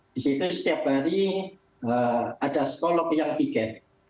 di situ setiap hari ada sekolah yang diger